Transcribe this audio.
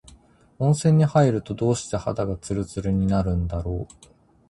温泉に入ると、どうして肌がつるつるになるんだろう。